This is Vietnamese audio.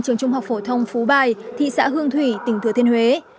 trường trung học phổ thông phú bài thị xã hương thủy tỉnh thừa thiên huế